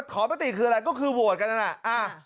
มติคืออะไรก็คือโหวตกันนั่นน่ะ